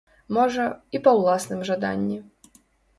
Можа, і па ўласным жаданні.